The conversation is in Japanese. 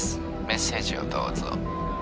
メッセージをどうぞ」